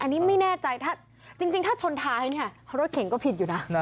นี่ไม่แน่ใจจริงถ้าชนท้ายเนี่ยเขารถเก่งก็ผิดอยู่นะ